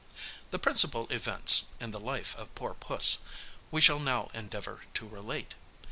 The principal events in the life of poor Puss, we shall now endeavour to relate.